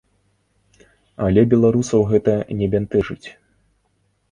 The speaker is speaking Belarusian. Але беларусаў гэта не бянтэжыць.